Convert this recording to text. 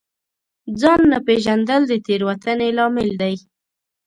ځان نه پېژندل د تېروتنې لامل دی.